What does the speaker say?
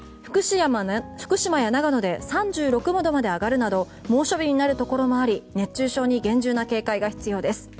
福島や長野で３６度まで上がるなど猛暑日になるところもあり熱中症に厳重な警戒が必要です。